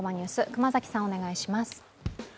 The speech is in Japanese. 熊崎さん、お願いします。